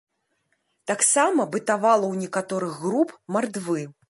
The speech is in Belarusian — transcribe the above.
Таксама бытавала ў некаторых груп мардвы.